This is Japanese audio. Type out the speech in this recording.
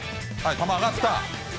球上がった。